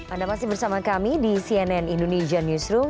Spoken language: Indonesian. anda masih bersama kami di cnn indonesia newsroom